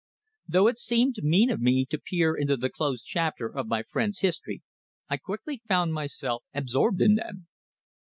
Though it seemed mean of me to peer into the closed chapter of my friend's history, I quickly found myself absorbed in them.